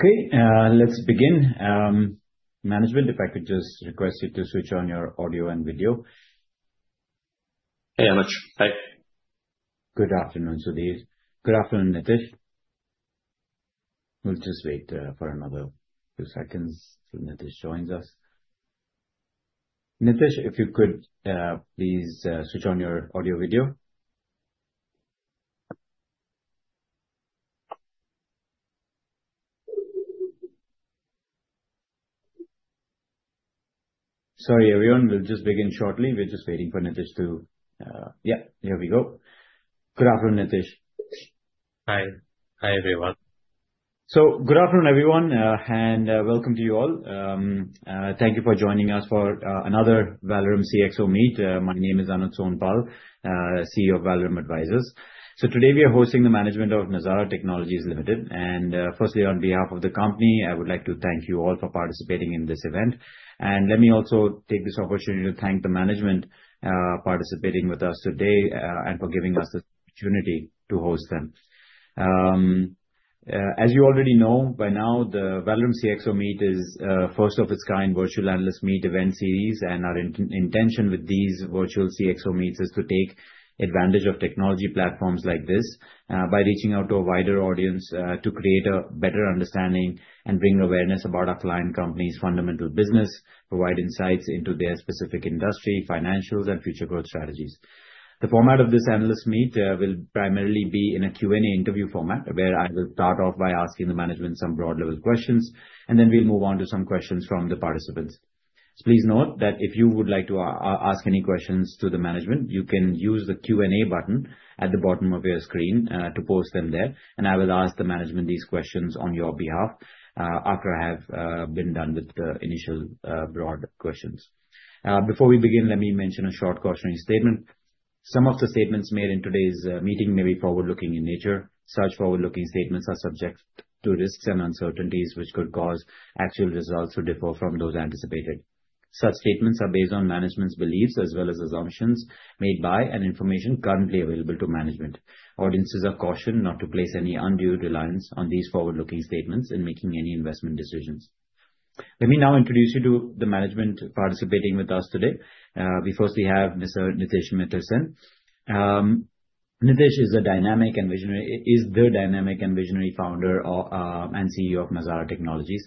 Hey, Anuj. Hi. Good afternoon, Sudhir. Good afternoon, Nitish. We'll just wait for another few seconds till Nitish joins us. Nitish, if you could please switch on your audio video. Sorry, everyone. We'll just begin shortly. We're just waiting for Nitish to - yeah, here we go. Good afternoon, Nitish. Hi. Hi, everyone. Good afternoon, everyone, and welcome to you all. Thank you for joining us for another Valorem CXO Meet. My name is Anuj Sonpal, CEO of Valorem Advisors. Today we are hosting the management of Nazara Technologies Limited. Firstly, on behalf of the company, I would like to thank you all for participating in this event. Let me also take this opportunity to thank the management for participating with us today and for giving us this opportunity to host them. As you already know by now, the Valorem CXO Meet is first of its kind virtual analyst meet event series. Our intention with these virtual CXO meets is to take advantage of technology platforms like this by reaching out to a wider audience to create a better understanding and bring awareness about our client company's fundamental business, provide insights into their specific industry, financials, and future growth strategies. The format of this analyst meet will primarily be in a Q&A interview format where I will start off by asking the management some broad-level questions, and then we'll move on to some questions from the participants. Please note that if you would like to ask any questions to the management, you can use the Q&A button at the bottom of your screen to post them there. I will ask the management these questions on your behalf after I have been done with the initial broad questions. Before we begin, let me mention a short cautionary statement. Some of the statements made in today's meeting may be forward-looking in nature. Such forward-looking statements are subject to risks and uncertainties which could cause actual results to differ from those anticipated. Such statements are based on management's beliefs as well as assumptions made by and information currently available to management. Audiences are cautioned not to place any undue reliance on these forward-looking statements in making any investment decisions. Let me now introduce you to the management participating with us today. We firstly have Mr. Nitish Mittersain. Nitish is a dynamic and visionary founder and CEO of Nazara Technologies.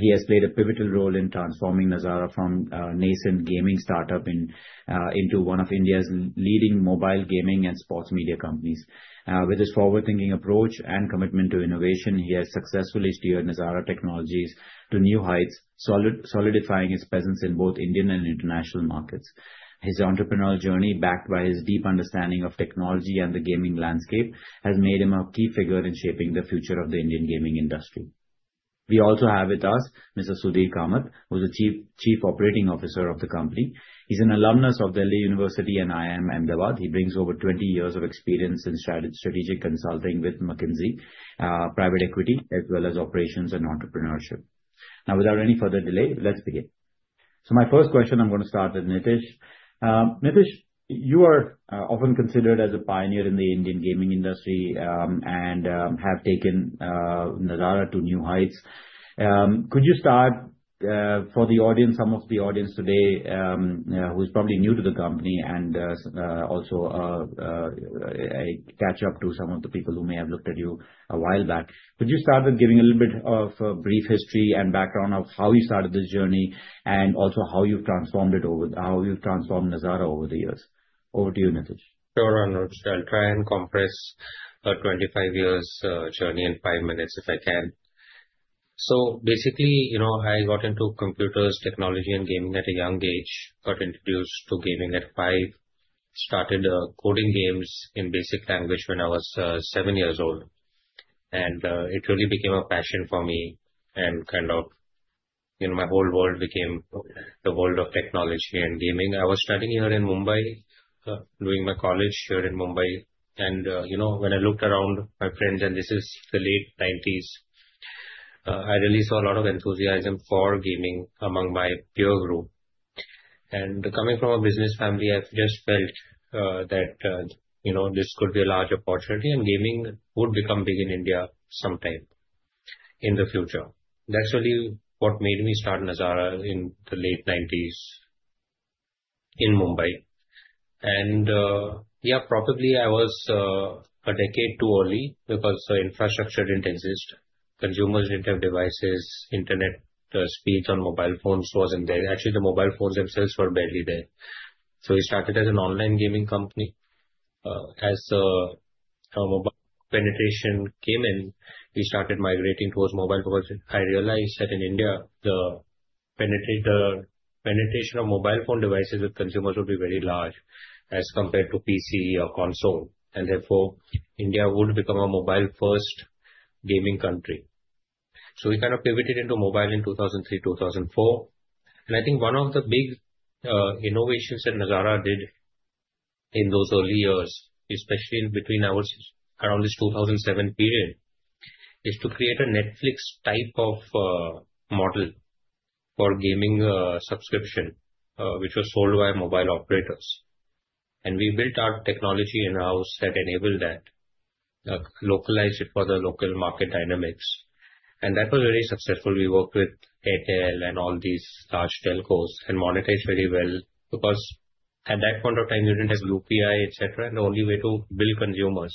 He has played a pivotal role in transforming Nazara from a nascent gaming startup into one of India's leading mobile gaming and sports media companies. With his forward-thinking approach and commitment to innovation, he has successfully steered Nazara Technologies to new heights, solidifying his presence in both Indian and international markets. His entrepreneurial journey, backed by his deep understanding of technology and the gaming landscape, has made him a key figure in shaping the future of the Indian gaming industry. We also have with us Mr. Sudhir Kamath, who is the Chief Operating Officer of the company. He's an alumnus of Delhi University and IIM Ahmedabad. He brings over 20 years of experience in strategic consulting with McKinsey, private equity, as well as operations and entrepreneurship. Now, without any further delay, let's begin. So my first question, I'm going to start with Nitish. Nitish, you are often considered as a pioneer in the Indian gaming industry and have taken Nazara to new heights. Could you start for the audience, some of the audience today who is probably new to the company and also a catch-up to some of the people who may have looked at you a while back, could you start with giving a little bit of a brief history and background of how you started this journey and also how you've transformed it over, how you've transformed Nazara over the years? Over to you, Nitish. Sure, Anuj. I'll try and compress a 25-year journey in five minutes if I can, so basically, I got into computers, technology, and gaming at a young age, got introduced to gaming at five, started coding games in basic language when I was seven years old, and it really became a passion for me and kind of my whole world became the world of technology and gaming. I was studying here in Mumbai, doing my college here in Mumbai, and when I looked around my friends, and this is the late 1990s, I really saw a lot of enthusiasm for gaming among my peer group, and coming from a business family, I've just felt that this could be a large opportunity and gaming would become big in India sometime in the future. That's really what made me start Nazara in the late 1990s in Mumbai. Yeah, probably I was a decade too early because the infrastructure didn't exist. Consumers didn't have devices. Internet speeds on mobile phones wasn't there. Actually, the mobile phones themselves were barely there. So we started as an online gaming company. As our mobile penetration came in, we started migrating towards mobile because I realized that in India, the penetration of mobile phone devices with consumers would be very large as compared to PC or console. And therefore, India would become a mobile-first gaming country. So we kind of pivoted into mobile in 2003, 2004. And I think one of the big innovations that Nazara did in those early years, especially between around this 2007 period, is to create a Netflix type of model for gaming subscription, which was sold by mobile operators. And we built our technology in-house that enabled that, localized it for the local market dynamics. And that was very successful. We worked with Airtel and all these large telcos and monetized very well because at that point of time, you didn't have UPI, etc. And the only way to build consumers,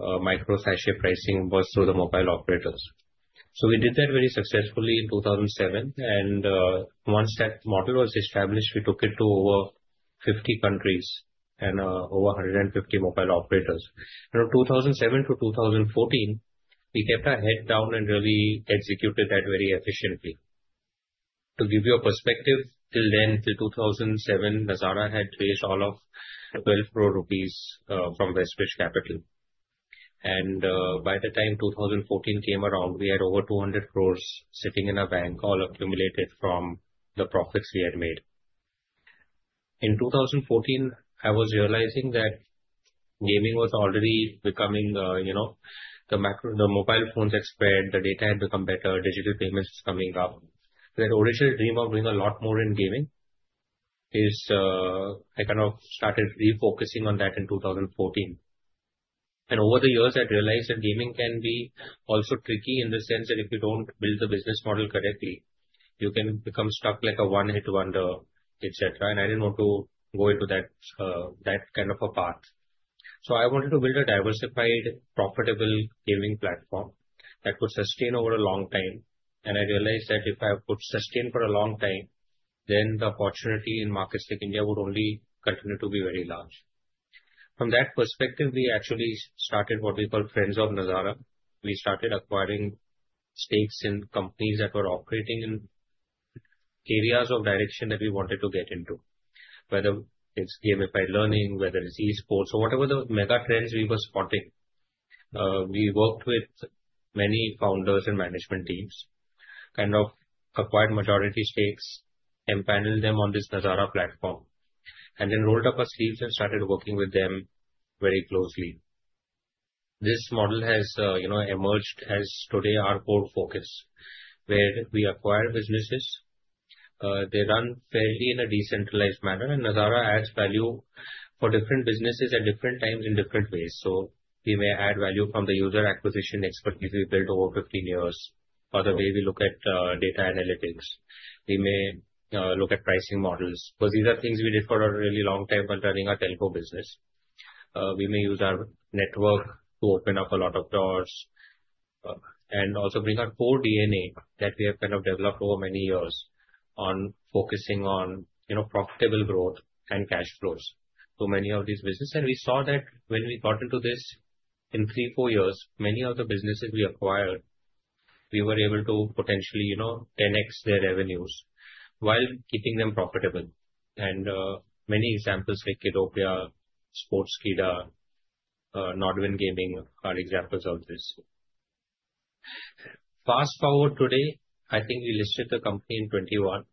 micro-subscription pricing, was through the mobile operators. So we did that very successfully in 2007. And once that model was established, we took it to over 50 countries and over 150 mobile operators. From 2007-2014, we kept our head down and really executed that very efficiently. To give you a perspective, till then, till 2007, Nazara had raised all of 12 crore rupees from WestBridge Capital. And by the time 2014 came around, we had over 200 crores sitting in a bank, all accumulated from the profits we had made. In 2014, I was realizing that gaming was already becoming. The mobile phones had spread, the data had become better, digital payments was coming up. That original dream of doing a lot more in gaming, I kind of started refocusing on that in 2014. And over the years, I realized that gaming can be also tricky in the sense that if you don't build the business model correctly, you can become stuck like a one-hit wonder, etc. And I didn't want to go into that kind of a path. So I wanted to build a diversified, profitable gaming platform that could sustain over a long time. And I realized that if I could sustain for a long time, then the opportunity in markets like India would only continue to be very large. From that perspective, we actually started what we call Friends of Nazara. We started acquiring stakes in companies that were operating in areas of direction that we wanted to get into, whether it's gamified learning, whether it's esports, or whatever the mega trends we were spotting. We worked with many founders and management teams, kind of acquired majority stakes, and paneled them on this Nazara platform, and then rolled up our sleeves and started working with them very closely. This model has emerged as today our core focus, where we acquire businesses. They run fairly in a decentralized manner, and Nazara adds value for different businesses at different times in different ways. So we may add value from the user acquisition expertise we built over 15 years or the way we look at data analytics. We may look at pricing models because these are things we did for a really long time while running our telco business. We may use our network to open up a lot of doors and also bring our core DNA that we have kind of developed over many years on focusing on profitable growth and cash flows to many of these businesses. We saw that when we got into this in three, four years, many of the businesses we acquired, we were able to potentially 10x their revenues while keeping them profitable. Many examples like Kiddopia, Sportskeeda, NODWIN Gaming are examples of this. Fast forward today, I think we listed the company in 2021,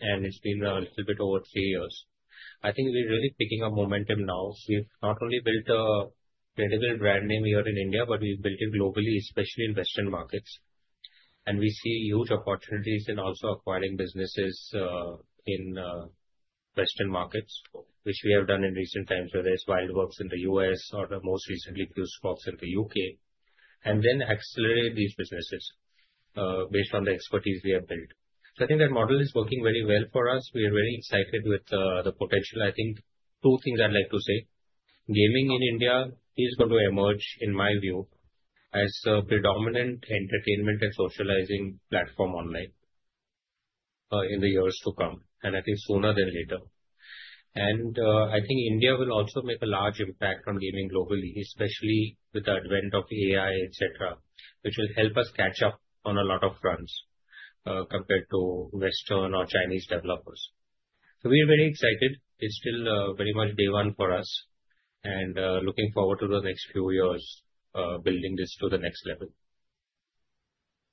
and it's been a little bit over three years. I think we're really picking up momentum now. We've not only built a credible brand name here in India, but we've built it globally, especially in Western markets. We see huge opportunities in also acquiring businesses in Western markets, which we have done in recent times, whether it's WildWorks in the U.S. or most recently, Fusebox Games in the U.K., and then accelerate these businesses based on the expertise we have built. So I think that model is working very well for us. We are very excited with the potential. I think two things I'd like to say. Gaming in India is going to emerge, in my view, as a predominant entertainment and socializing platform online in the years to come, and I think sooner than later. I think India will also make a large impact on gaming globally, especially with the advent of AI, etc., which will help us catch up on a lot of fronts compared to Western or Chinese developers. So we're very excited. It's still very much day one for us and looking forward to the next few years building this to the next level.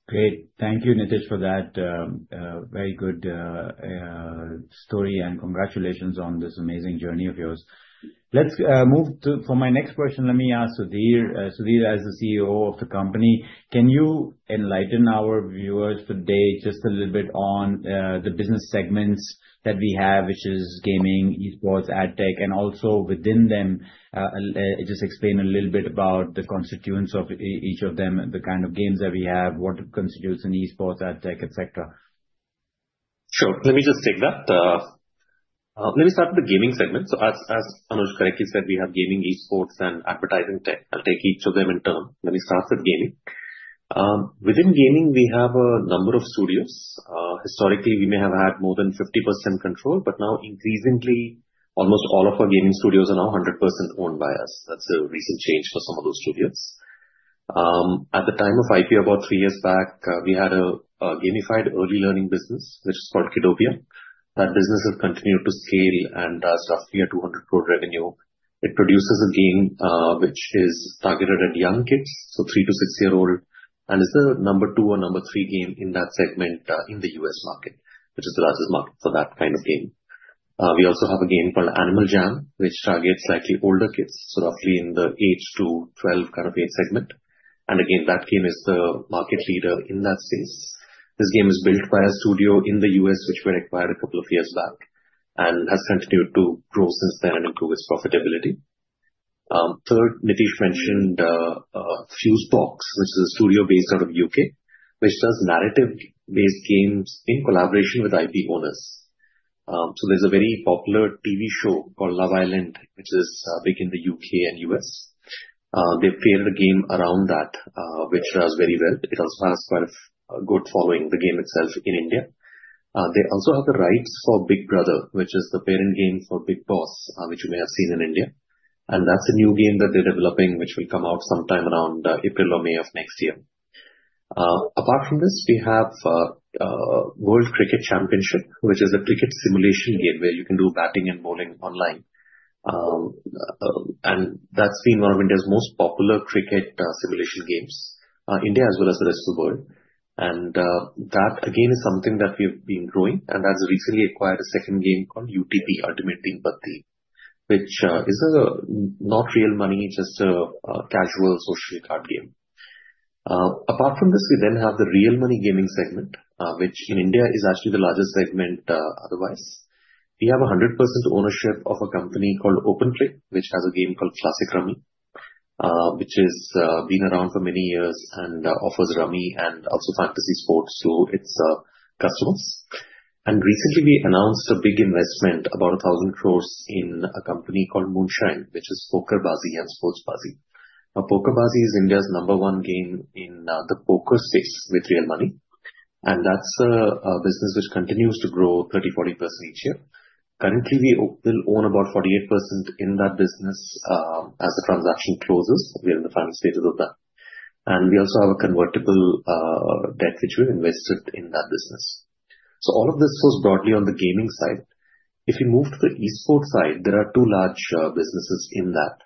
Great. Thank you, Nitish, for that very good story and congratulations on this amazing journey of yours. Let's move to my next question. Let me ask Sudhir, as the COO of the company, can you enlighten our viewers today just a little bit on the business segments that we have, which is Gaming, Esports, Ad Tech, and also within them, just explain a little bit about the constituents of each of them, the kind of games that we have, what constitutes an Esports, Ad Tech, etc.? Sure. Let me just take that. Let me start with the gaming segment. So as Anuj correctly said, we have gaming, esports, and advertising tech. I'll take each of them in turn. Let me start with gaming. Within gaming, we have a number of studios. Historically, we may have had more than 50% control, but now increasingly, almost all of our gaming studios are now 100% owned by us. That's a recent change for some of those studios. At the time of IPO, about three years back, we had a gamified early learning business, which is called Kiddopia. That business has continued to scale and does roughly 200 crore revenue. It produces a game which is targeted at young kids, so three to six-year-old, and is the number two or number three game in that segment in the U.S. market, which is the largest market for that kind of game. We also have a game called Animal Jam, which targets slightly older kids, so roughly in the age to 12 kind of age segment. And again, that game is the market leader in that space. This game is built by a studio in the U.S., which we acquired a couple of years back and has continued to grow since then and improve its profitability. Third, Nitish mentioned Fusebox, which is a studio based out of the U.K., which does narrative-based games in collaboration with IP owners. So there's a very popular TV show called Love Island, which is big in the U.K. and U.S. They've created a game around that, which does very well. It also has quite a good following, the game itself, in India. They also have the rights for Big Brother, which is the parent game for Bigg Boss, which you may have seen in India, and that's a new game that they're developing, which will come out sometime around April or May of next year. Apart from this, we have World Cricket Championship, which is a cricket simulation game where you can do batting and bowling online, and that's been one of India's most popular cricket simulation games, India as well as the rest of the world, and that, again, is something that we have been growing, and that's recently acquired a second game called UTP Ultimate Teen Patti, which is not real money, just a casual social card game. Apart from this, we then have the real money gaming segment, which in India is actually the largest segment otherwise. We have 100% ownership of a company called OpenPlay, which has a game called Classic Rummy, which has been around for many years and offers rummy and also fantasy sports to its customers, and recently, we announced a big investment, about 1,000 crores, in a company called Moonshine, which is PokerBaazi and SportsBaazi. Now, PokerBaazi is India's number one game in the poker space with real money, and that's a business which continues to grow 30%-40% each year. Currently, we will own about 48% in that business as the transaction closes. We are in the final stages of that, and we also have a convertible debt, which we've invested in that business, so all of this was broadly on the gaming side. If you move to the esports side, there are two large businesses in that.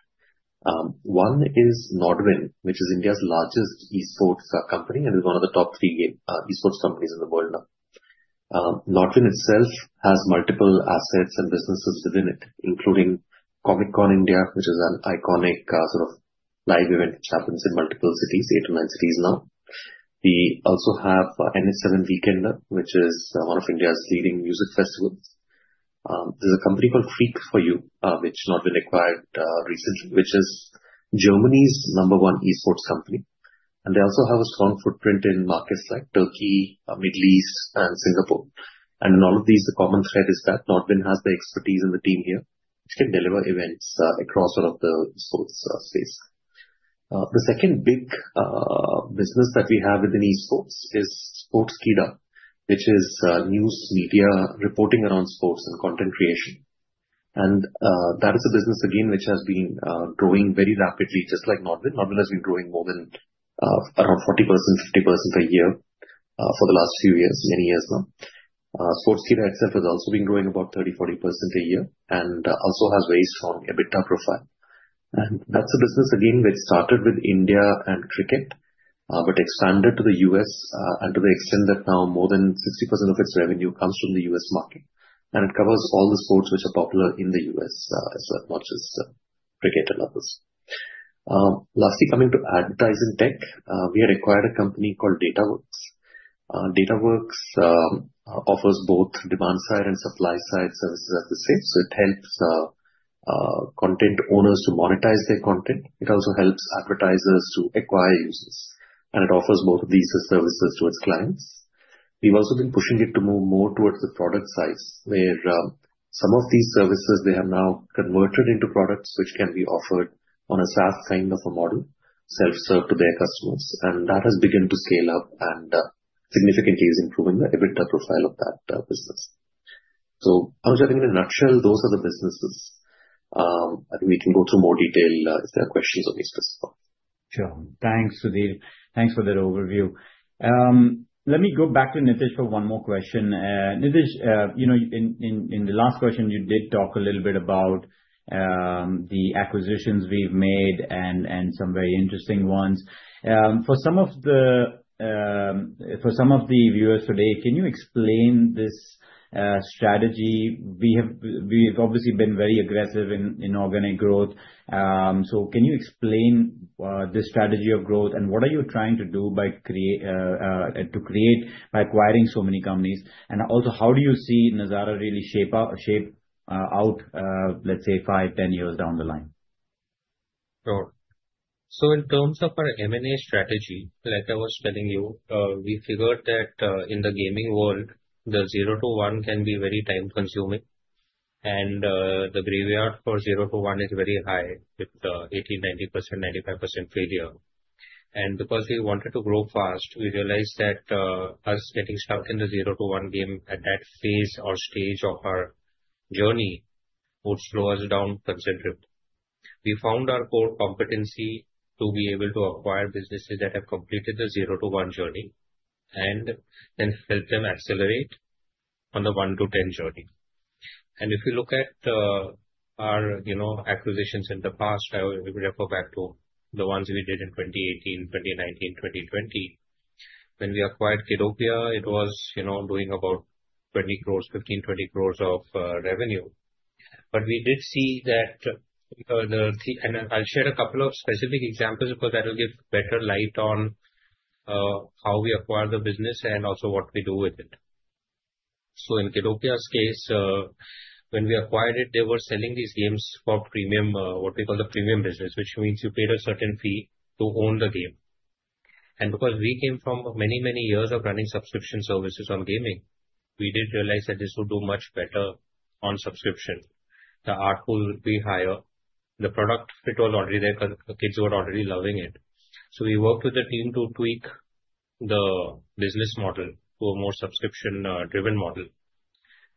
One is NODWIN, which is India's largest esports company and is one of the top three esports companies in the world now. NODWIN itself has multiple assets and businesses within it, including Comic Con India, which is an iconic sort of live event which happens in multiple cities, eight or nine cities now. We also have NH7 Weekender, which is one of India's leading music festivals. There's a company called Freaks 4U Gaming, which NODWIN acquired recently, which is Germany's number one esports company. And they also have a strong footprint in markets like Turkey, the Middle East, and Singapore. And in all of these, the common thread is that NODWIN has the expertise and the team here, which can deliver events across all of the esports space. The second big business that we have within esports is Sportskeeda, which is news media reporting around sports and content creation. That is a business, again, which has been growing very rapidly, just like NODWIN. NODWIN has been growing more than around 40%-50% a year for the last few years, many years now. Sportskeeda itself has also been growing about 30%-40% a year and also has a very strong EBITDA profile. That's a business, again, which started with India and cricket, but expanded to the US to the extent that now more than 60% of its revenue comes from the US market. It covers all the sports which are popular in the US as well, not just cricket and others. Lastly, coming to advertising tech, we had acquired a company called Datawrkz. Datawrkz offers both demand side and supply side services, as I said. So it helps content owners to monetize their content. It also helps advertisers to acquire users. And it offers both of these services to its clients. We've also been pushing it to move more towards the product side, where some of these services, they have now converted into products which can be offered on a SaaS kind of a model, self-serve to their customers. And that has begun to scale up and significantly is improving the EBITDA profile of that business. So, Anuj, I think in a nutshell, those are the businesses. I think we can go through more detail if there are questions on these specific ones. Sure. Thanks, Sudhir. Thanks for that overview. Let me go back to Nitish for one more question. Nitish, in the last question, you did talk a little bit about the acquisitions we've made and some very interesting ones. For some of the viewers today, can you explain this strategy? We have obviously been very aggressive in organic growth. So can you explain this strategy of growth and what are you trying to do to create by acquiring so many companies? And also, how do you see Nazara really shape out, let's say, five, 10 years down the line? Sure. So in terms of our M&A strategy, like I was telling you, we figured that in the gaming world, the zero to one can be very time-consuming. And the graveyard for zero to one is very high with 80%, 90%, 95% failure. And because we wanted to grow fast, we realized that us getting stuck in the zero to one game at that phase or stage of our journey would slow us down considerably. We found our core competency to be able to acquire businesses that have completed the zero to one journey and then help them accelerate on the one to 10 journey. And if you look at our acquisitions in the past, I would refer back to the ones we did in 2018, 2019, 2020. When we acquired Kiddopia, it was doing about 15 crores-20 crores of revenue. But we did see that, and I'll share a couple of specific examples because that will give better light on how we acquire the business and also what we do with it. So in Kiddopia's case, when we acquired it, they were selling these games for premium, what we call the premium business, which means you paid a certain fee to own the game. And because we came from many, many years of running subscription services on gaming, we did realize that this would do much better on subscription. The ARPU would be higher. The product fit was already there. Kids were already loving it. So we worked with the team to tweak the business model to a more subscription-driven model,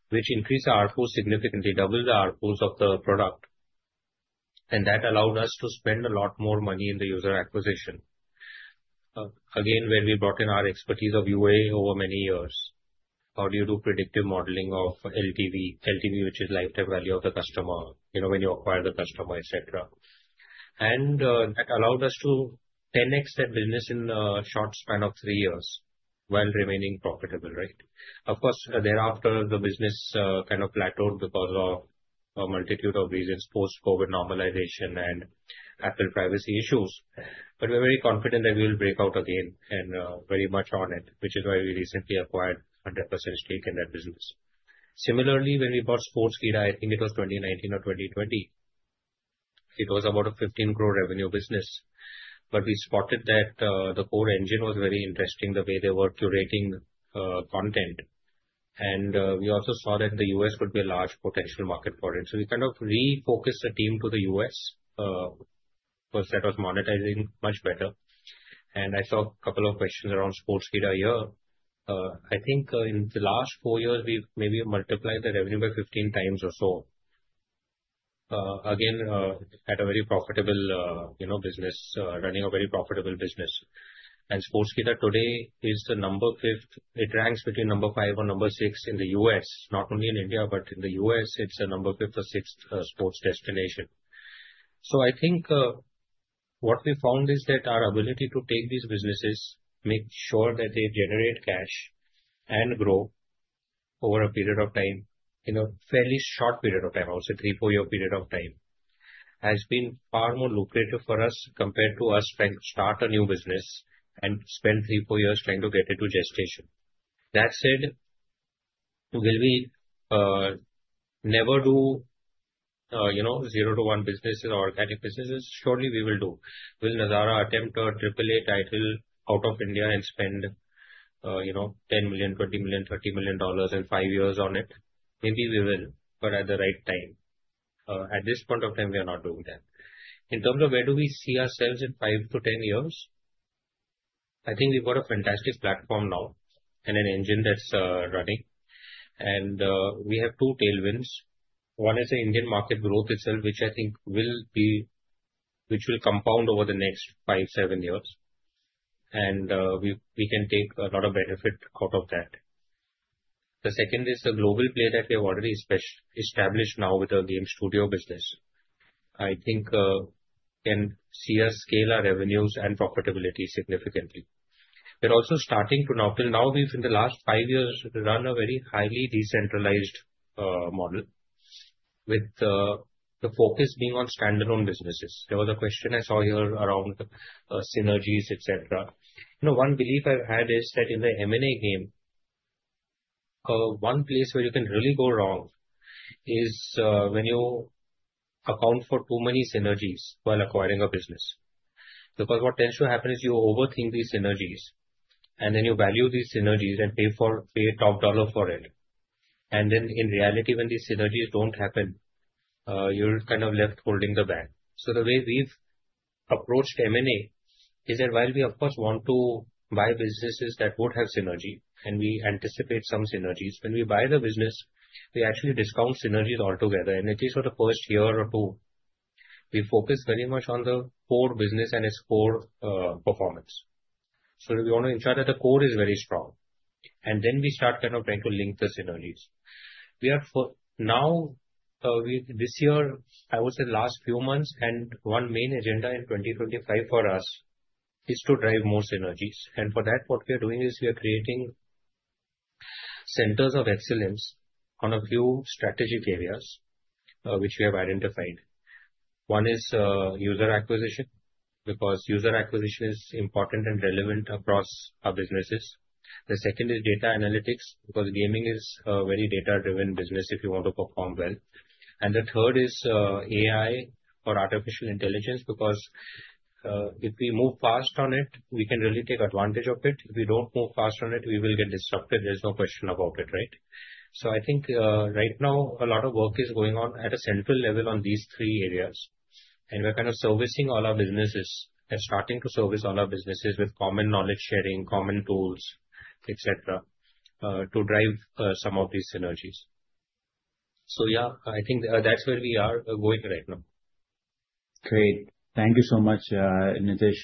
which increased the ARPU significantly, doubled the ARPUs of the product. And that allowed us to spend a lot more money in the user acquisition. Again, where we brought in our expertise of UA over many years. How do you do predictive modeling of LTV, which is lifetime value of the customer when you acquire the customer, etc.? And that allowed us to 10x that business in a short span of three years while remaining profitable, right? Of course, thereafter, the business kind of plateaued because of a multitude of reasons: post-COVID normalization and Apple privacy issues. But we're very confident that we will break out again and very much on it, which is why we recently acquired 100% stake in that business. Similarly, when we bought Sportskeeda, I think it was 2019 or 2020, it was about a 15 crore revenue business. But we spotted that the core engine was very interesting, the way they were curating content. And we also saw that the U.S. would be a large potential market for it. We kind of refocused the team to the U.S. because that was monetizing much better. I saw a couple of questions around Sportskeeda here. I think in the last four years, we have maybe multiplied the revenue by 15x or so. Again, we had a very profitable business, running a very profitable business. Sportskeeda today is number five. It ranks between number five or number six in the U.S. Not only in India, but in the U.S., it is number five or six sports destination. I think what we found is that our ability to take these businesses, make sure that they generate cash and grow over a period of time, in a fairly short period of time, I would say three, four-year period of time, has been far more lucrative for us compared to us trying to start a new business and spend three, four years trying to get it to gestation. That said, we'll never do zero to one businesses or organic businesses. Surely we will do. Will Nazara attempt a AAA title out of India and spend $10 million, $20 million, $30 million in five years on it? Maybe we will, but at the right time. At this point of time, we are not doing that. In terms of where do we see ourselves in five to 10 years, I think we've got a fantastic platform now and an engine that's running. And we have two tailwinds. One is the Indian market growth itself, which I think will be compound over the next five, seven years. And we can take a lot of benefit out of that. The second is the global play that we have already established now with our game studio business. I think can see us scale our revenues and profitability significantly. We're also starting to now, till now, we've in the last five years run a very highly decentralized model with the focus being on standalone businesses. There was a question I saw here around synergies, etc. One belief I've had is that in the M&A game, one place where you can really go wrong is when you account for too many synergies while acquiring a business, because what tends to happen is you overthink these synergies, and then you value these synergies and pay top dollar for it, and then in reality, when these synergies don't happen, you're kind of left holding the bag. So the way we've approached M&A is that while we, of course, want to buy businesses that would have synergy and we anticipate some synergies, when we buy the business, we actually discount synergies altogether, and at least for the first year or two, we focus very much on the core business and its core performance. So we want to ensure that the core is very strong, and then we start kind of trying to link the synergies. Now, this year, I would say the last few months, and one main agenda in 2025 for us is to drive more synergies, and for that, what we are doing is we are creating centers of excellence on a few strategic areas which we have identified. One is user acquisition because user acquisition is important and relevant across our businesses. The second is data analytics because gaming is a very data-driven business if you want to perform well, and the third is AI or artificial intelligence because if we move fast on it, we can really take advantage of it. If we don't move fast on it, we will get disrupted. There's no question about it, right, so I think right now, a lot of work is going on at a central level on these three areas. And we're kind of servicing all our businesses and starting to service all our businesses with common knowledge sharing, common tools, etc., to drive some of these synergies. So yeah, I think that's where we are going right now. Great. Thank you so much, Nitish.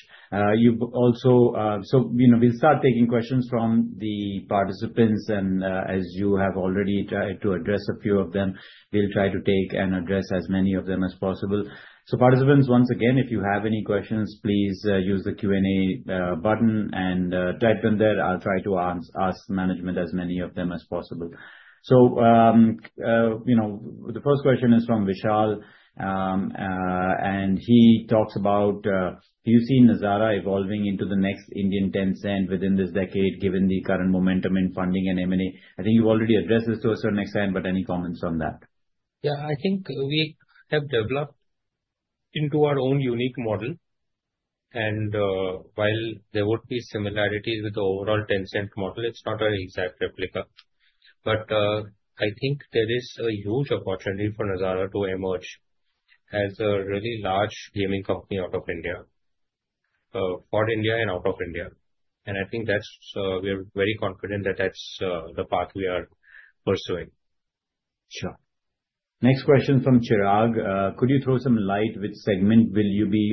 So we'll start taking questions from the participants. And as you have already tried to address a few of them, we'll try to take and address as many of them as possible. So participants, once again, if you have any questions, please use the Q&A button and type them there. I'll try to ask management as many of them as possible. So the first question is from Vishal. And he talks about, "Do you see Nazara evolving into the next Indian Tencent within this decade, given the current momentum in funding and M&A?" I think you've already addressed this to us on to an extent, but any comments on that? Yeah, I think we have developed into our own unique model. And while there would be similarities with the overall Tencent model, it's not an exact replica. But I think there is a huge opportunity for Nazara to emerge as a really large gaming company out of India, for India and out of India. And I think we're very confident that that's the path we are pursuing. Sure. Next question from Chirag. "Could you throw some light which segment will you be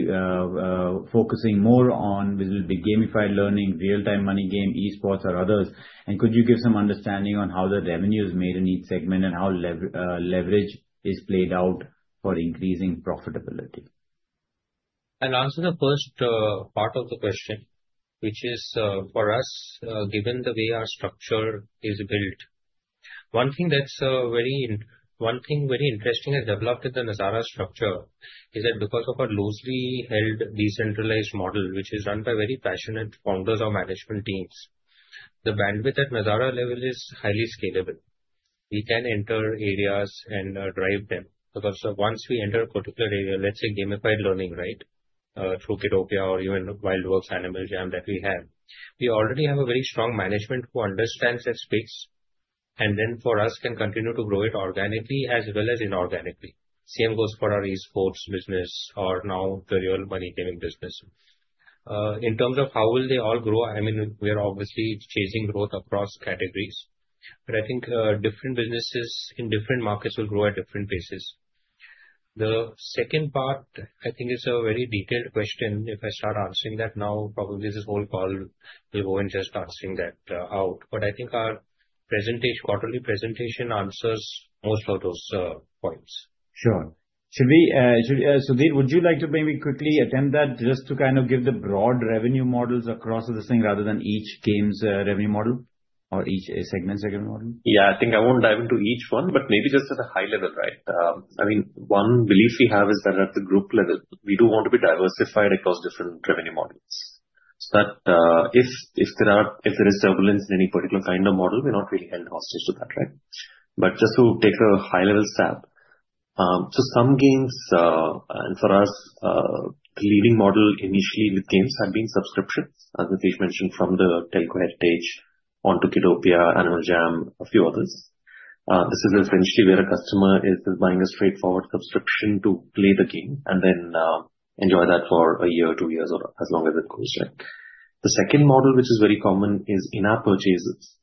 focusing more on? Will it be gamified learning, real money game, esports, or others? And could you give some understanding on how the revenue is made in each segment and how leverage is played out for increasing profitability? I'll answer the first part of the question, which is for us, given the way our structure is built. One thing that's very interesting has developed in the Nazara structure is that because of our loosely held decentralized model, which is run by very passionate founders or management teams, the bandwidth at Nazara level is highly scalable. We can enter areas and drive them. Because once we enter a particular area, let's say gamified learning, right, through Kiddopia or even WildWorks's Animal Jam that we have, we already have a very strong management who understands that space. And then for us, can continue to grow it organically as well as inorganically. Same goes for our esports business or now the real money gaming business. In terms of how will they all grow, I mean, we are obviously chasing growth across categories. But I think different businesses in different markets will grow at different paces. The second part, I think it's a very detailed question. If I start answering that now, probably this whole call will go and just answering that out. But I think our quarterly presentation answers most of those points. Sure. Sudhir, would you like to maybe quickly attempt that just to kind of give the broad revenue models across the thing rather than each game's revenue model or each segment's revenue model? Yeah, I think I won't dive into each one, but maybe just at a high-level, right? I mean, one belief we have is that at the group level, we do want to be diversified across different revenue models. So that if there is turbulence in any particular kind of model, we're not really held hostage to that, right? But just to take a high-level stab, so some games, and for us, the leading model initially with games had been subscriptions, as Nitish mentioned, from the telco heritage onto Kiddopia, Animal Jam, a few others. This is essentially where a customer is buying a straightforward subscription to play the game and then enjoy that for a year, two years, or as long as it goes, right? The second model, which is very common, is in-app purchases.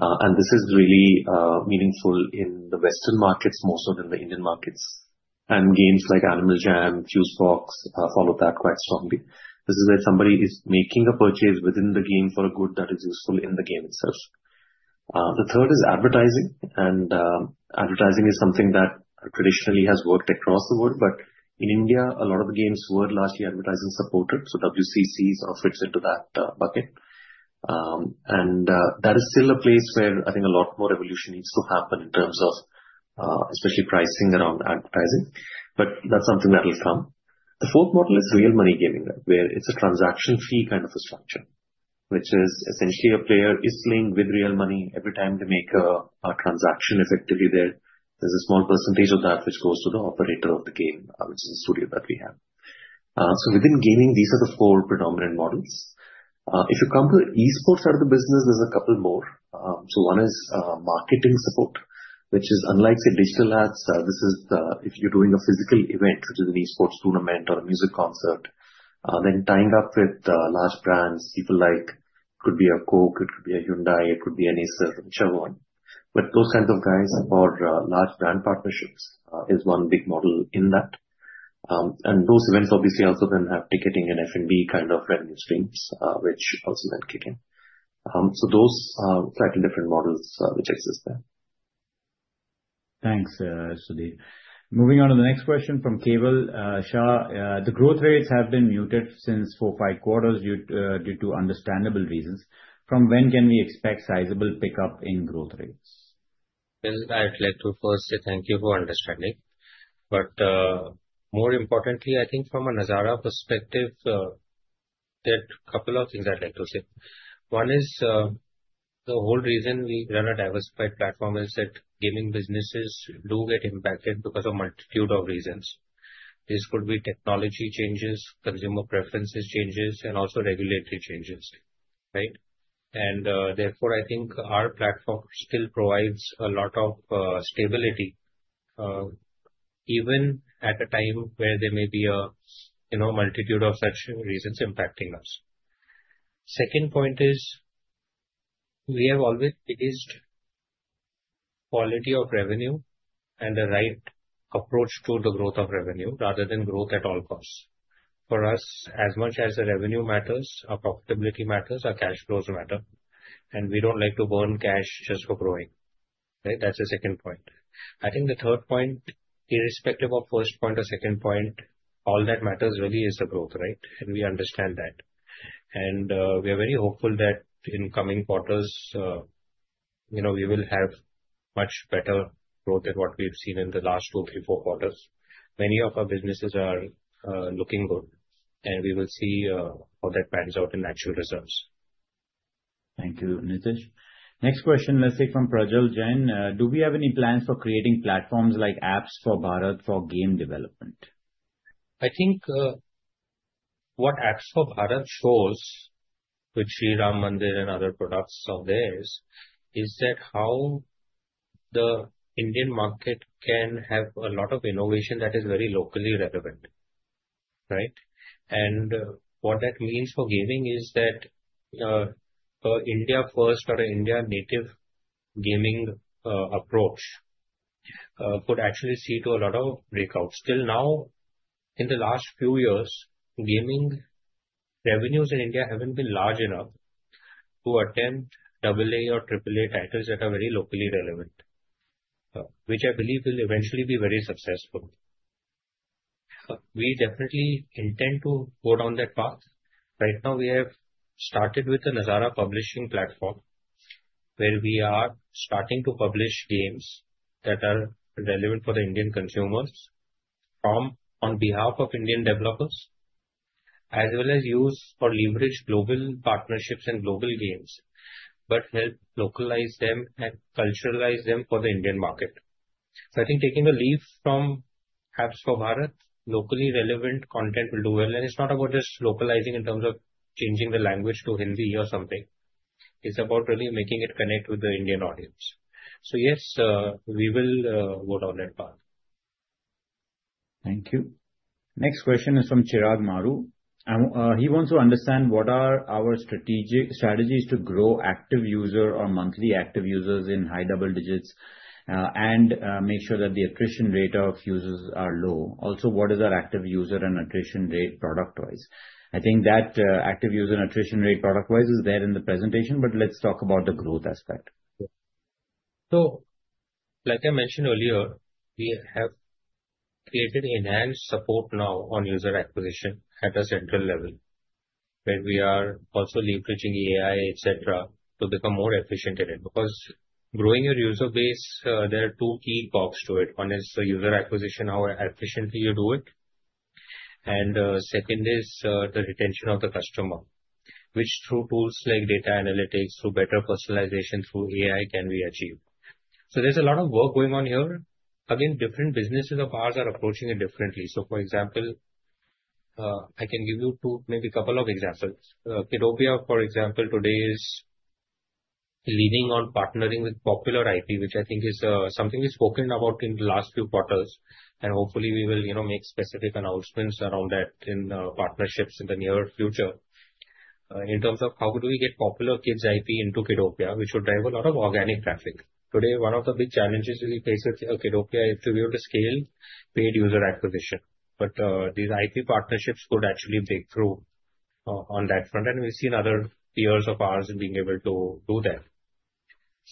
This is really meaningful in the Western markets more so than the Indian markets. Games like Animal Jam, Fusebox follow that quite strongly. This is where somebody is making a purchase within the game for a good that is useful in the game itself. The third is advertising. Advertising is something that traditionally has worked across the world. In India, a lot of the games were largely advertising-supported. WCC fits into that bucket. That is still a place where I think a lot more evolution needs to happen in terms of especially pricing around advertising. That's something that will come. The fourth model is real money gaming, where it's a transaction fee kind of a structure, which is essentially a player is playing with real money every time they make a transaction. Effectively, there's a small percentage of that which goes to the operator of the game, which is the studio that we have. So within gaming, these are the four predominant models. If you come to the esports side of the business, there's a couple more. So one is marketing support, which is unlike say digital ads. This is if you're doing a physical event, which is an esports tournament or a music concert, then tying up with large brands, people like it could be a Coke, it could be a Hyundai, it could be an Acer, whichever one. But those kinds of guys or large brand partnerships is one big model in that. And those events obviously also then have ticketing and F&B kind of revenue streams, which also then kick in. So those are slightly different models which exist there. Thanks, Sudhir. Moving on to the next question from Keval Shah, the growth rates have been muted since four, five quarters due to understandable reasons. From when can we expect sizable pickup in growth rates? Well, I'd like to first say thank you for understanding. But more importantly, I think from a Nazara perspective, there are a couple of things I'd like to say. One is the whole reason we run a diversified platform is that gaming businesses do get impacted because of a multitude of reasons. This could be technology changes, consumer preferences changes, and also regulatory changes, right? And therefore, I think our platform still provides a lot of stability even at a time where there may be a multitude of such reasons impacting us. Second point is we have always chased quality of revenue and the right approach to the growth of revenue rather than growth at all costs. For us, as much as the revenue matters, our profitability matters, our cash flows matter. And we don't like to burn cash just for growing, right? That's the second point. I think the third point, irrespective of first point or second point, all that matters really is the growth, right? We understand that. We are very hopeful that in coming quarters, we will have much better growth than what we've seen in the last two, three, four quarters. Many of our businesses are looking good. We will see how that pans out in actual results. Thank you, Nitish. Next question, let's take from Prajal Jain. "Do we have any plans for creating platforms like AppsForBharat for game development? I think what AppsForBharat shows, which Sri Mandir and other products are there, is that how the Indian market can have a lot of innovation that is very locally relevant, right? And what that means for gaming is that a India-first or an India-native gaming approach could actually see to a lot of breakouts. Still now, in the last few years, gaming revenues in India haven't been large enough to attempt AA or AAA titles that are very locally relevant, which I believe will eventually be very successful. We definitely intend to go down that path. Right now, we have started with the Nazara Publishing platform, where we are starting to publish games that are relevant for the Indian consumers on behalf of Indian developers, as well as use or leverage global partnerships and global games, but help localize them and culturalize them for the Indian market. I think taking a leap from AppsForBharat, locally relevant content will do well. And it's not about just localizing in terms of changing the language to Hindi or something. It's about really making it connect with the Indian audience. So yes, we will go down that path. Thank you. Next question is from Chirag Maru. He wants to understand what are our strategies to grow active users or monthly active users in high double digits and make sure that the attrition rate of users are low? Also, what is our active user and attrition rate product-wise? I think that active user and attrition rate product-wise is there in the presentation, but let's talk about the growth aspect. So like I mentioned earlier, we have created enhanced support now on user acquisition at a central level, where we are also leveraging AI, etc., to become more efficient in it. Because growing your user base, there are two key cogs to it. One is the user acquisition, how efficiently you do it. And second is the retention of the customer, which through tools like data analytics, through better personalization, through AI can we achieve. So there's a lot of work going on here. Again, different businesses of ours are approaching it differently. So for example, I can give you maybe a couple of examples. Kiddopia, for example, today is leading on partnering with Popular IP, which I think is something we've spoken about in the last few quarters. And hopefully, we will make specific announcements around that in partnerships in the near future. In terms of how do we get popular kids IP into Kiddopia, which will drive a lot of organic traffic. Today, one of the big challenges we face with Kiddopia is to be able to scale paid user acquisition. But these IP partnerships could actually break through on that front. And we've seen other peers of ours being able to do that.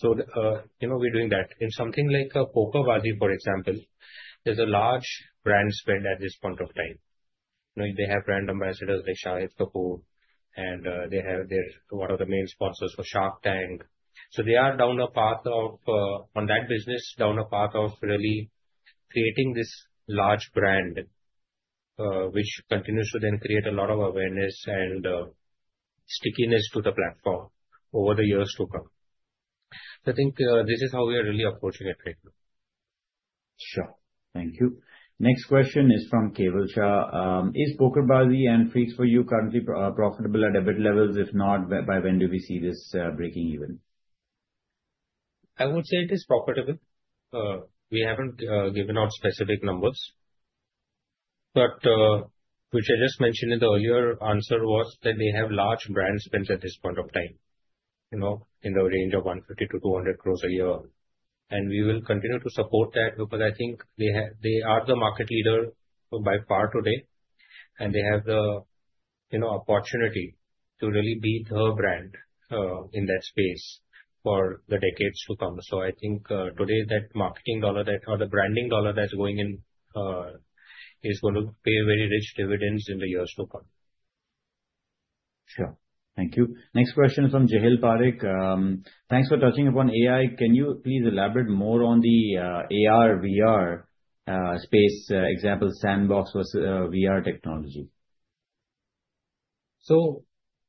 So we're doing that. In something like PokerBaazi, for example, there's a large brand spend at this point of time. They have brand ambassadors like Shahid Kapoor, and they're one of the main sponsors for Shark Tank. So they are down a path of, on that business, down a path of really creating this large brand, which continues to then create a lot of awareness and stickiness to the platform over the years to come. So I think this is how we are really approaching it right now. Sure. Thank you. Next question is from Keval Shah. "Is PokerBaazi and Freaks 4U currently profitable at EBIT levels? If not, by when do we see this breaking even? I would say it is profitable. We haven't given out specific numbers. But which I just mentioned in the earlier answer was that they have large brand spends at this point of time in the range of 150 crores-200 crores a year. And we will continue to support that because I think they are the market leader by far today. And they have the opportunity to really be the brand in that space for the decades to come. So I think today that marketing dollar or the branding dollar that's going in is going to pay very rich dividends in the years to come. Sure. Thank you. Next question is from Jaineel Parekh. "Thanks for touching upon AI. Can you please elaborate more on the AR/VR space, example, Sandbox versus VR technology?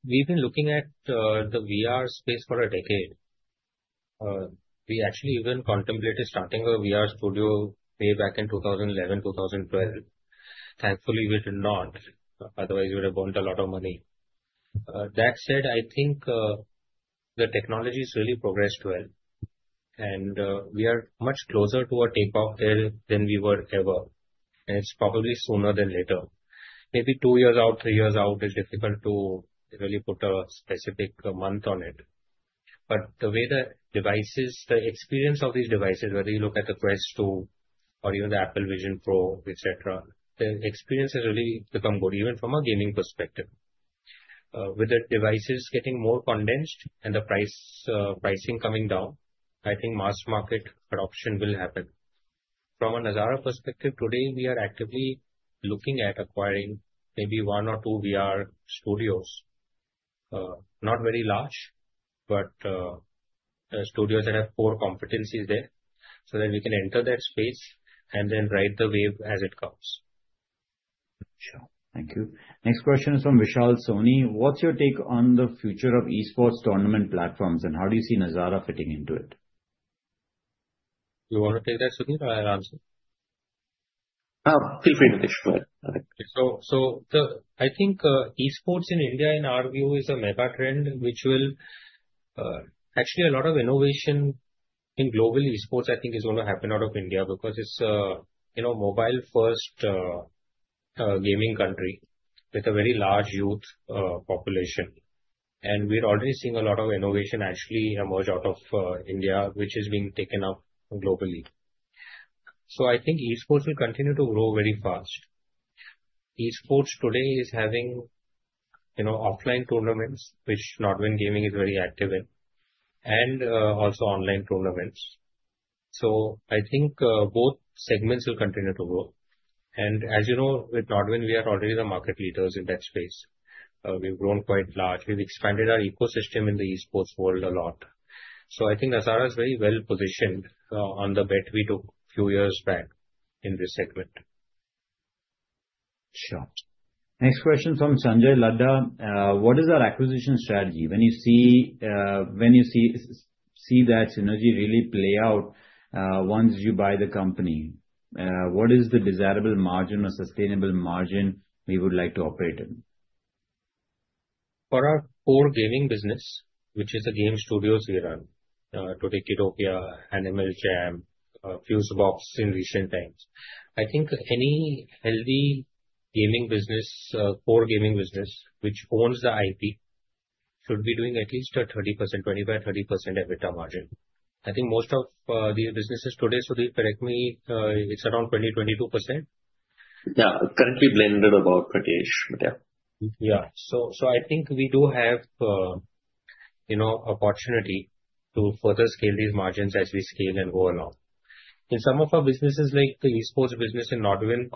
We've been looking at the VR space for a decade. We actually even contemplated starting a VR studio way back in 2011, 2012. Thankfully, we did not. Otherwise, we would have burned a lot of money. That said, I think the technology has really progressed well. And we are much closer to a takeoff there than we were ever. And it's probably sooner than later. Maybe two years out, three years out is difficult to really put a specific month on it. But the way the devices, the experience of these devices, whether you look at the Quest 2 or even the Apple Vision Pro, etc., the experience has really become good, even from a gaming perspective. With the devices getting more condensed and the pricing coming down, I think mass market adoption will happen. From a Nazara perspective, today, we are actively looking at acquiring maybe one or two VR studios, not very large, but studios that have core competencies there so that we can enter that space and then ride the wave as it comes. Sure. Thank you. Next question is from Vishal Soni. "What's your take on the future of esports tournament platforms, and how do you see Nazara fitting into it? You want to take that, Sudhir, or I'll answer? Feel free, Nitish. So I think esports in India, in our view, is a mega trend, which will actually a lot of innovation in global esports. I think is going to happen out of India because it's a mobile-first gaming country with a very large youth population. And we're already seeing a lot of innovation actually emerge out of India, which is being taken up globally. So I think esports will continue to grow very fast. Esports today is having offline tournaments, which NODWIN Gaming is very active in, and also online tournaments. So I think both segments will continue to grow. And as you know, with NODWIN, we are already the market leaders in that space. We've grown quite large. We've expanded our ecosystem in the esports world a lot. So I think Nazara is very well positioned on the bet we took a few years back in this segment. Sure. Next question from Sanjay Ladda. "What is our acquisition strategy? When you see that synergy really play out once you buy the company, what is the desirable margin or sustainable margin we would like to operate in? For our core gaming business, which is the game studios we run, today Kiddopia, Animal Jam, Fusebox in recent times, I think any healthy gaming business, core gaming business, which owns the IP, should be doing at least a 30%-25%-30% EBITDA margin. I think most of the businesses today, Sudhir, correct me, it's around 20%-22%. Yeah. Currently blended about 20-ish, but yeah. Yeah. So I think we do have opportunity to further scale these margins as we scale and go along. In some of our businesses, like the esports business in NODWIN,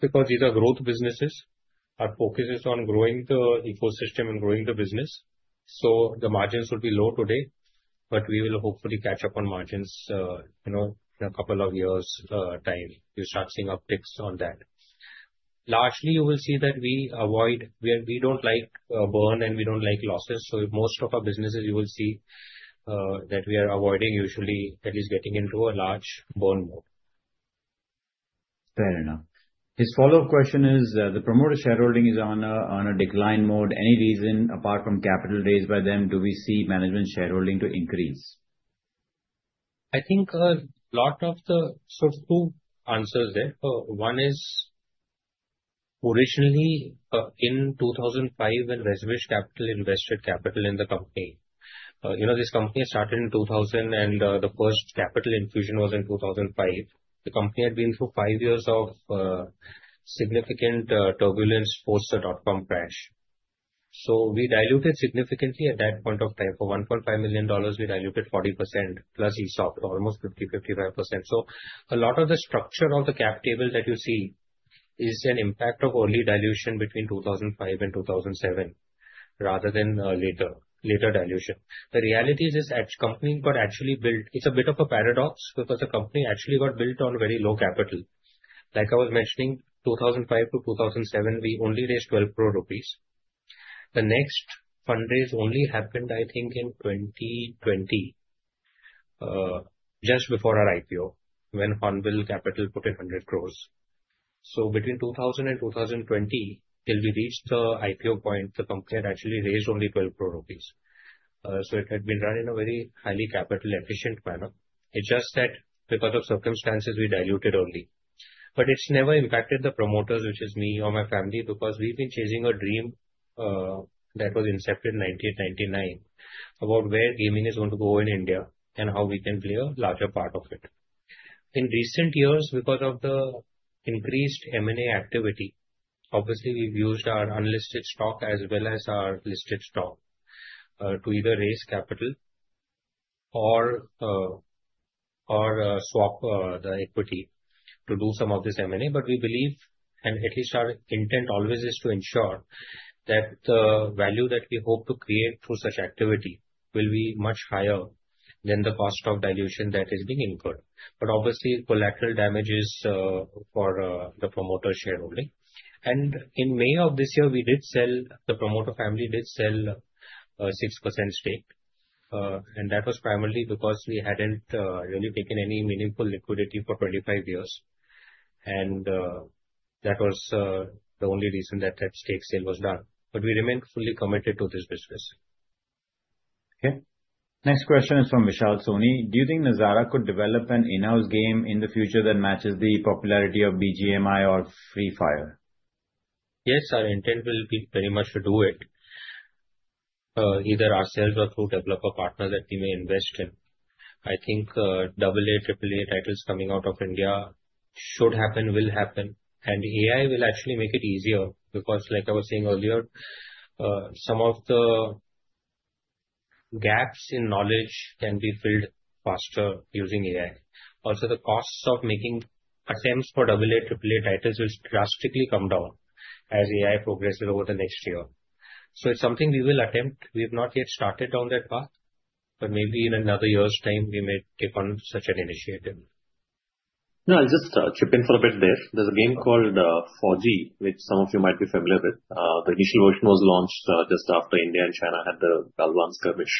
because these are growth businesses, our focus is on growing the ecosystem and growing the business. So the margins will be low today, but we will hopefully catch up on margins in a couple of years' time. You start seeing upticks on that. Lastly, you will see that we avoid. We don't like a burn, and we don't like losses. So most of our businesses, you will see that we are avoiding usually at least getting into a large burn mode. Fair enough. His follow-up question is, "The promoter shareholding is on a decline mode. Any reason apart from capital raised by them, do we see management shareholding to increase? I think a lot of the sort of two answers there. One is originally in 2005, when WestBridge Capital invested capital in the company. This company started in 2000, and the first capital infusion was in 2005. The company had been through five years of significant turbulence post the dot-com crash. So we diluted significantly at that point of time. For $1.5 million, we diluted 40% plus ESOP, almost 50%, 55%. So a lot of the structure of the cap table that you see is an impact of early dilution between 2005 and 2007 rather than later dilution. The reality is this: the company got actually built, it's a bit of a paradox because the company actually got built on very low capital. Like I was mentioning, 2005 to 2007, we only raised 12 crores rupees. The next fundraise only happened, I think, in 2020, just before our IPO, when Hornbill Capital put in 100 crores. So between 2000 and 2020, till we reached the IPO point, the company had actually raised only 12 crores rupees. So it had been run in a very highly capital-efficient manner. It's just that because of circumstances, we diluted early. But it's never impacted the promoters, which is me or my family, because we've been chasing a dream that was incepted in 1999 about where gaming is going to go in India and how we can play a larger part of it. In recent years, because of the increased M&A activity, obviously, we've used our unlisted stock as well as our listed stock to either raise capital or swap the equity to do some of this M&A. But we believe, and at least our intent always is to ensure that the value that we hope to create through such activity will be much higher than the cost of dilution that is being incurred. But obviously, collateral damages for the promoter shareholding. And in May of this year, we did sell, the promoter family did sell a 6% stake. And that was primarily because we hadn't really taken any meaningful liquidity for 25 years. And that was the only reason that that stake sale was done. But we remained fully committed to this business. Okay. Next question is from Vishal Soni. "Do you think Nazara could develop an in-house game in the future that matches the popularity of BGMI or Free Fire? Yes, our intent will be very much to do it, either ourselves or through developer partners that we may invest in. I think AA, AAA titles coming out of India should happen, will happen, and AI will actually make it easier because, like I was saying earlier, some of the gaps in knowledge can be filled faster using AI. Also, the costs of making attempts for AA, AAA titles will drastically come down as AI progresses over the next year, so it's something we will attempt. We have not yet started down that path, but maybe in another year's time, we may take on such an initiative. No, I'll just chip in for a bit there. There's a game called FAU-G, which some of you might be familiar with. The initial version was launched just after India and China had the Galwan skirmish.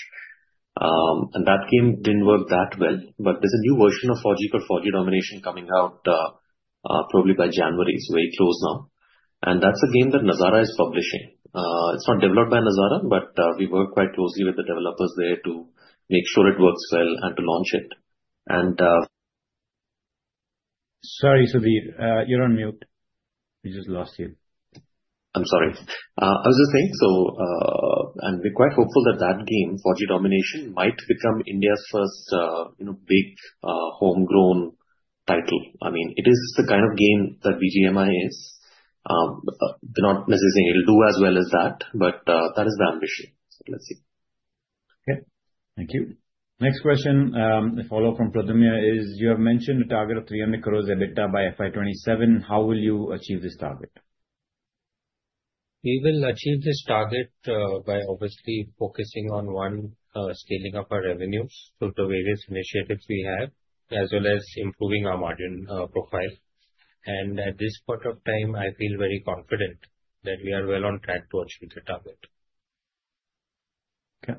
And that game didn't work that well. But there's a new version of FAU-G called FAU-G: Domination coming out probably by January. It's very close now. And that's a game that Nazara is publishing. It's not developed by Nazara, but we work quite closely with the developers there to make sure it works well and to launch it. And. Sorry, Sudhir. You're on mute. We just lost you. I'm sorry. I was just saying, so we're quite hopeful that that game, FAU-G: Domination, might become India's first big homegrown title. I mean, it is the kind of game that BGMI is. They're not necessarily saying it'll do as well as that, but that is the ambition. So let's see. Okay. Thank you. Next question, a follow-up from Pradyumna is, "You have mentioned a target of 300 crores EBITDA by FY 2027. How will you achieve this target? We will achieve this target by obviously focusing on one, scaling up our revenues through the various initiatives we have, as well as improving our margin profile, and at this point of time, I feel very confident that we are well on track to achieve the target. Okay.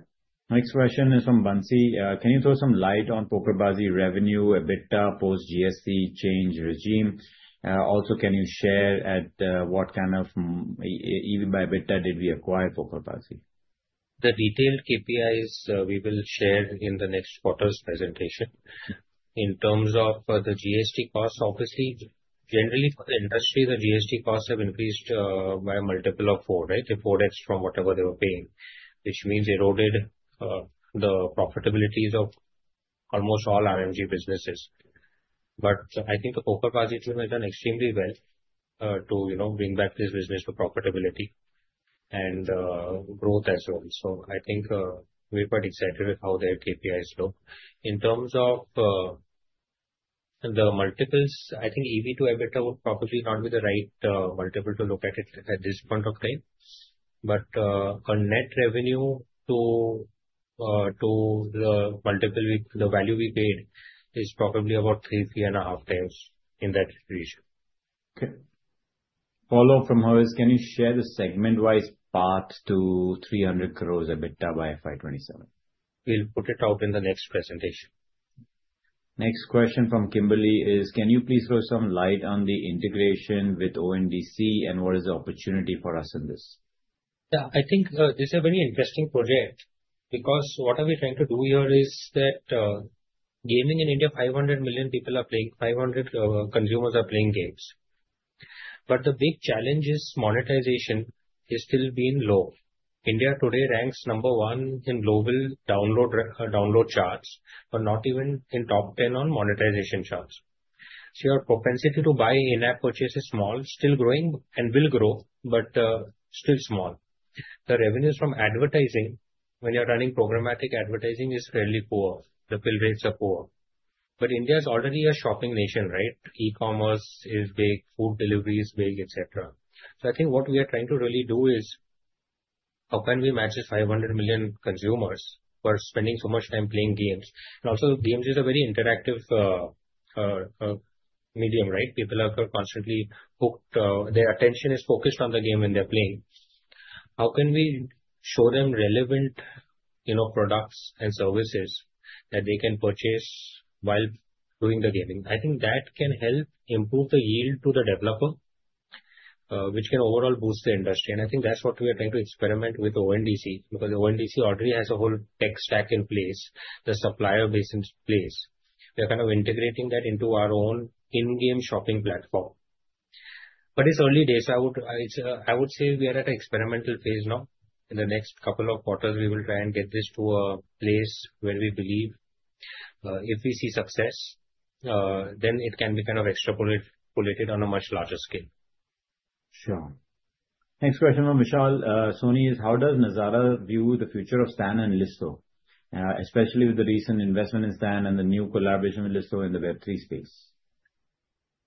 Next question is from Bansi. "Can you throw some light on PokerBaazi revenue, EBITDA post GST change regime? Also, can you share at what kind of EBITDA did we acquire PokerBaazi? The detailed KPIs we will share in the next quarter's presentation. In terms of the GST cost, obviously, generally for the industry, the GST costs have increased by a multiple of four, right? They're four X from whatever they were paying, which means eroded the profitabilities of almost all RMG businesses. But I think the PokerBaazi team has done extremely well to bring back this business to profitability and growth as well. So I think we're quite excited with how their KPIs look. In terms of the multiples, I think EBITDA to EBITDA would probably not be the right multiple to look at it at this point of time. But our net revenue to the value we paid is probably about three, three and a half times in that region. Okay. Follow-up from Haresh, "Can you share the segment-wise path to 300 crores EBITDA by FY 2027? We'll put it out in the next presentation. Next question from Kimberly is, "Can you please throw some light on the integration with ONDC, and what is the opportunity for us in this? Yeah. I think this is a very interesting project because what are we trying to do here is that gaming in India, 500 million people are playing, 500 consumers are playing games. But the big challenge is monetization is still being low. India today ranks number one in global download charts, but not even in top 10 on monetization charts. So your propensity to buy in-app purchase is small, still growing and will grow, but still small. The revenues from advertising, when you're running programmatic advertising, is fairly poor. The fill rates are poor. But India is already a shopping nation, right? E-commerce is big, food delivery is big, etc. So I think what we are trying to really do is, how can we match these 500 million consumers who are spending so much time playing games? And also, games is a very interactive medium, right? People are constantly hooked. Their attention is focused on the game when they're playing. How can we show them relevant products and services that they can purchase while doing the gaming? I think that can help improve the yield to the developer, which can overall boost the industry, and I think that's what we are trying to experiment with ONDC because ONDC already has a whole tech stack in place, the supplier base in place. We are kind of integrating that into our own in-game shopping platform, but it's early days. I would say we are at an experimental phase now. In the next couple of quarters, we will try and get this to a place where we believe if we see success, then it can be kind of extrapolated on a much larger scale. Sure. Next question from Vishal Soni is, "How does Nazara view the future of Stan and Lysto, especially with the recent investment in Stan and the new collaboration with Lysto in the Web3 space?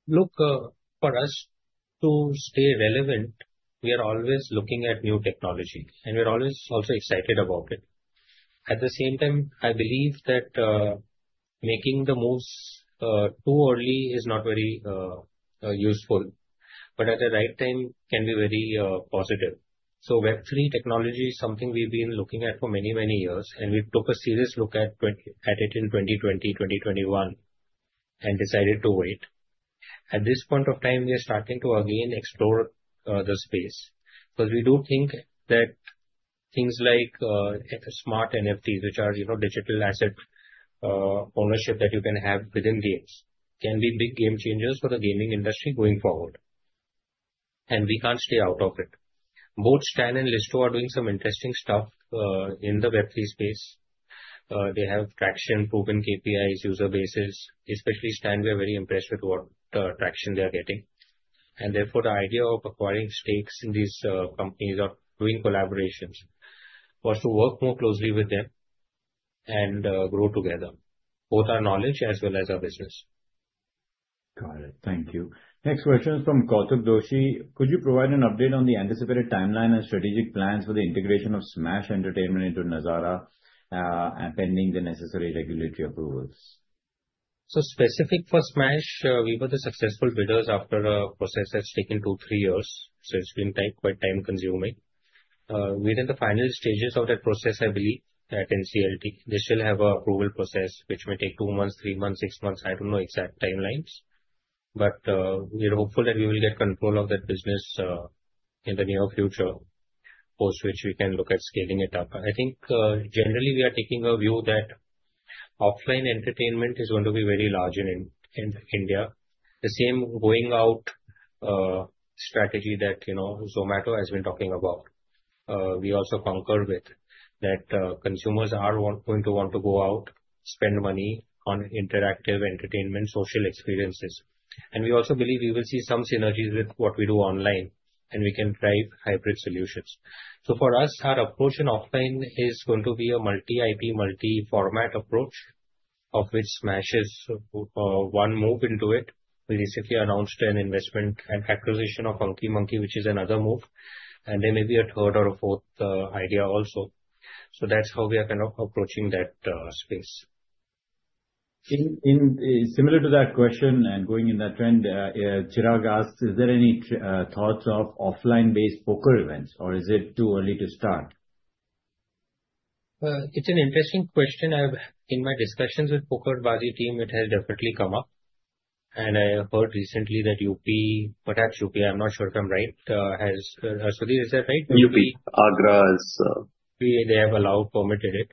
Look, for us to stay relevant, we are always looking at new technology, and we're always also excited about it. At the same time, I believe that making the moves too early is not very useful, but at the right time can be very positive. So Web3 technology is something we've been looking at for many, many years, and we took a serious look at it in 2020, 2021, and decided to wait. At this point of time, we are starting to again explore the space because we do think that things like smart NFTs, which are digital asset ownership that you can have within games, can be big game changers for the gaming industry going forward. And we can't stay out of it. Both Stan and Lysto are doing some interesting stuff in the Web3 space. They have traction, proven KPIs, user bases. Especially Stan, we are very impressed with what traction they are getting, and therefore, the idea of acquiring stakes in these companies or doing collaborations was to work more closely with them and grow together, both our knowledge as well as our business. Got it. Thank you. Next question is from Kaustubh Doshi. "Could you provide an update on the anticipated timeline and strategic plans for the integration of Smaaash Entertainment into Nazara pending the necessary regulatory approvals? So, specific for Smaaash, we were the successful bidders after a process that's taken two, three years. So it's been quite time-consuming. We're in the final stages of that process, I believe, at NCLT. They still have an approval process, which may take two months, three months, six months. I don't know exact timelines. But we're hopeful that we will get control of that business in the near future, post which we can look at scaling it up. I think generally we are taking a view that offline entertainment is going to be very large in India. The same going-out strategy that Zomato has been talking about, we also concur with that consumers are going to want to go out, spend money on interactive entertainment, social experiences. And we also believe we will see some synergies with what we do online, and we can drive hybrid solutions. So for us, our approach in offline is going to be a multi-IP, multi-format approach, of which Smaash is one move into it. We recently announced an investment and acquisition of Funky Monkeys, which is another move. And there may be a third or a fourth idea also. So that's how we are kind of approaching that space. Similar to that question and going in that trend, Chirag asks, "Is there any thoughts of offline-based Poker events, or is it too early to start? It's an interesting question. In my discussions with PokerBaazi team, it has definitely come up. And I heard recently that UPI, perhaps UPI, I'm not sure if I'm right. Has Sudhir, is that right? UP, Agra is. They have allowed, permitted it.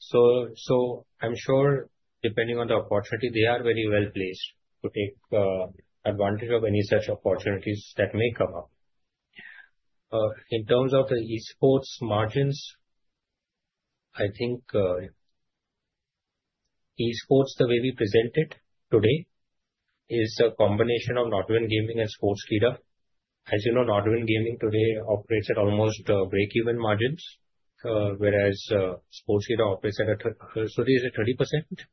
So I'm sure depending on the opportunity, they are very well placed to take advantage of any such opportunities that may come up. In terms of the esports margins, I think esports, the way we present it today, is a combination of NODWIN Gaming and Sportskeeda. As you know, NODWIN Gaming today operates at almost break-even margins, whereas Sportskeeda operates at a, Sudhir, is it 30%?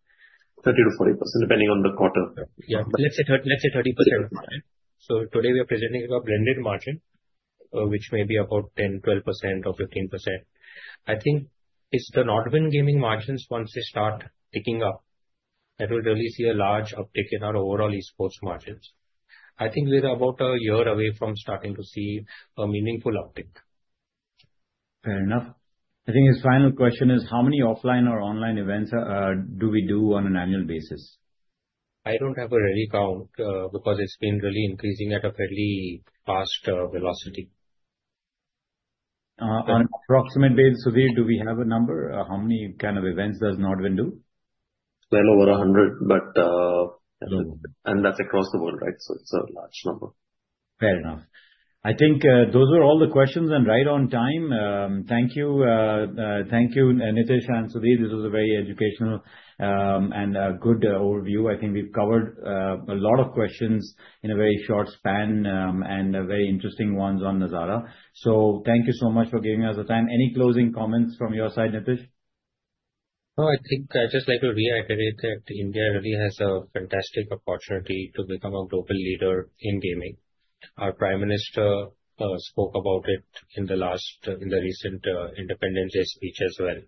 Thirty percent to 40%, depending on the quarter. Yeah, but let's say 30%. So today we are presenting a blended margin, which may be about 10%, 12%, or 15%. I think if the NODWIN Gaming margins, once they start ticking up, that will really see a large uptick in our overall esports margins. I think we're about a year away from starting to see a meaningful uptick. Fair enough. I think his final question is, "How many offline or online events do we do on an annual basis? I don't have a real count because it's been really increasing at a fairly fast velocity. On approximate basis, Sudhir, do we have a number? How many kind of events does NODWIN do? Over 100, but. And that's across the world, right? So it's a large number. Fair enough. I think those were all the questions and right on time. Thank you. Thank you, Nitish and Sudhir. This was a very educational and good overview. I think we've covered a lot of questions in a very short span and very interesting ones on Nazara. So thank you so much for giving us the time. Any closing comments from your side, Nitish? No, I think I'd just like to reiterate that India really has a fantastic opportunity to become a global leader in gaming. Our Prime Minister spoke about it in the recent Independence Day speech as well,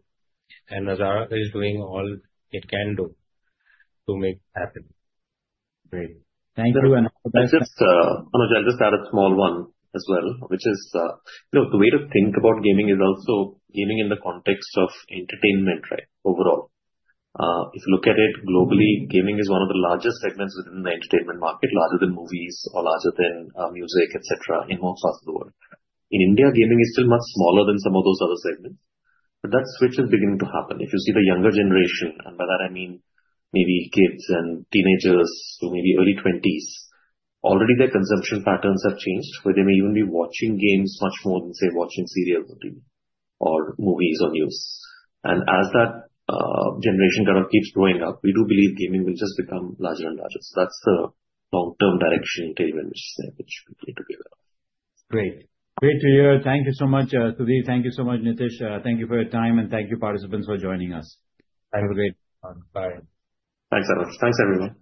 and Nazara is doing all it can do to make it happen. Great. Thank you. I'll just add a small one as well, which is, look, the way to think about gaming is also gaming in the context of entertainment, right, overall. If you look at it globally, gaming is one of the largest segments within the entertainment market, larger than movies or larger than music, etc., in most parts of the world. In India, gaming is still much smaller than some of those other segments. But that switch is beginning to happen. If you see the younger generation, and by that I mean maybe kids and teenagers to maybe early 20s, already their consumption patterns have changed, where they may even be watching games much more than, say, watching serials on TV or movies or news. And as that generation kind of keeps growing up, we do believe gaming will just become larger and larger. That's the long-term direction we're taking, which we need to be aware of. Great. Great to hear. Thank you so much, Sudhir. Thank you so much, Nitish. Thank you for your time, and thank you, participants, for joining us. Have a great one. Bye. Thanks, Nitish. Thanks, everyone.